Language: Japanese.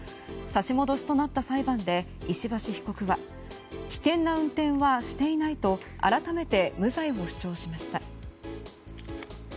差し戻しとなった裁判で石橋被告は危険な運転はしていないと改めて無罪を主張しました。